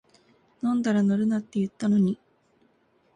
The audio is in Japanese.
飲んだら乗るなって言ったのに